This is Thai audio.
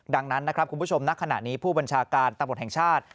ดังนั้นนะครับคุณผู้ชมณขณะนี้ผู้บัญชาการตำรวจแห่งชาติ